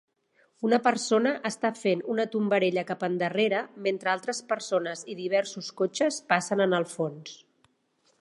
Una persona està fent una tombarella cap endarrere mentre altres persones i diversos cotxes passen en el fons.